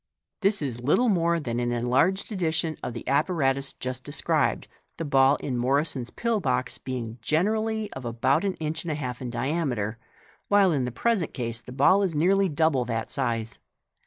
— T*ais is little more than an enlarged edition of the apparatus just described, the ball in Morison's pill box being generally of about an inch and a half in diameter, while in the present case the ball is nearly double that size.